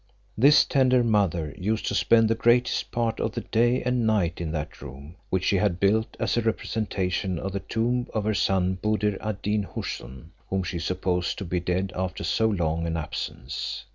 This tender mother used to spend the greatest part of the day and night in that room which she had built as a representation of the tomb of her son Buddir ad Deen Houssun, whom she supposed to be dead after so long an absence.